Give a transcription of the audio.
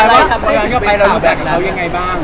แล้วก็ไปรู้จักเขายังไงบ้าง